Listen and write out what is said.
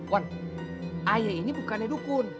wan air ini bukannya dukun